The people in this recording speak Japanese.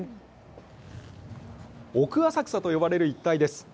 奥浅草と呼ばれる一帯です。